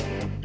nah ini juga